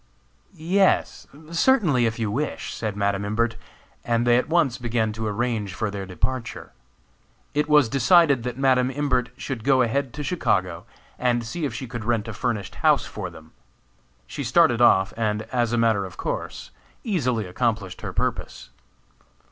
"Yes, certainly, if you wish," said Madam Imbert; and they at once began to arrange for their departure. It was decided that Madam Imbert should go ahead to Chicago, and see if she could rent a furnished house for them. She started off, and, as a matter of course, easily accomplished her purpose.